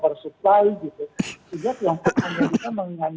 jadi infrastruktur sudah terjadi properti yang dibangun masif sudah rancang